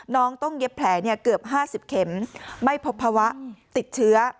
น้องต้องเย็บแผลเกือบ๕๐เข็มไม่พบภาวะติดเชื้อ